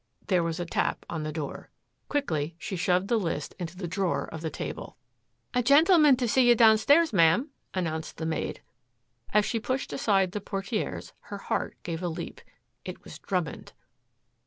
There was a tap on the door. Quickly, she shoved the list into the drawer of the table. "A gentleman to see you, downstairs, ma'am," announced the maid. As she pushed aside the portieres, her heart gave a leap it was Drummond.